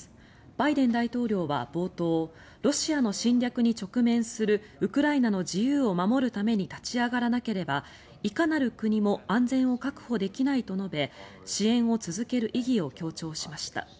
バイデン大統領は冒頭ロシアの侵略に直面するウクライナの自由を守るために立ち上がらなければいかなる国も安全を確保できないと述べ支援を続ける意義を強調しました。